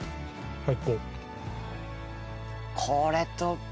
はい。